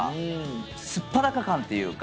素っ裸感というか。